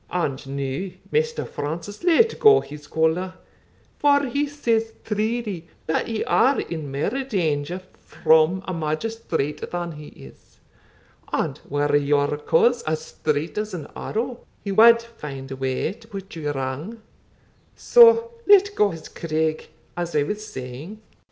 And now, Maister Francis, let go his collar; for he says truly, that ye are in mair danger from a magistrate than he is, and were your cause as straight as an arrow, he wad find a way to put you wrang So let go his craig, as I was saying."